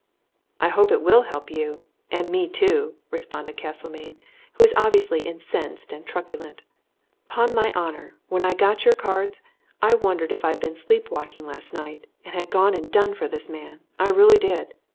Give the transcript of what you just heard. "I hope it will help you and me, too!" responded Castlemayne, who was obviously incensed and truculent. "'Pon my honour, when I got your cards, I wondered if I'd been sleep walking last night, and had gone and done for this man I really did!